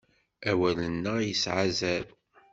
Awal-nneɣ yesɛa azal.